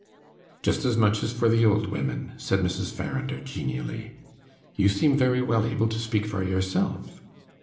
"Just as much as for the old women," said Mrs. Farrinder genially. "You seem very well able to speak for yourself."